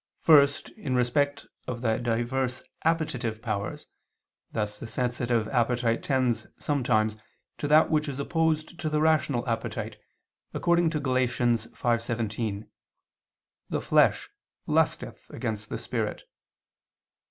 First, in respect of the diverse appetitive powers: thus the sensitive appetite tends sometimes to that which is opposed to the rational appetite, according to Gal. 5:17: "The flesh lusteth against the spirit."